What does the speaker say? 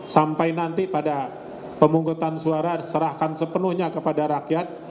sampai nanti pada pemungkutan suara diserahkan sepenuhnya kepada rakyat